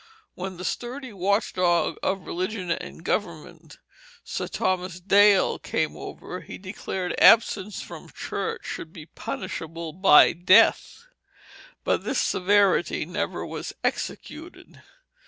When that sturdy watch dog of religion and government Sir Thomas Dale came over, he declared absence from church should be punishable by death; but this severity never was executed.